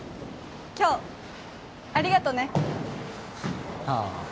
今日ありがとねああ